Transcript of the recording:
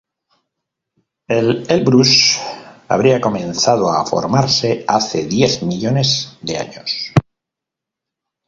El Elbrús habría comenzado a formarse hace diez millones de años.